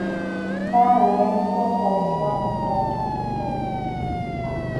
Nada de esto parecía molestar a sus padres.